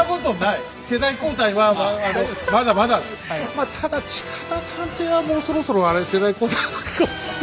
まあただ近田探偵はもうそろそろ世代交代になるかもしれない。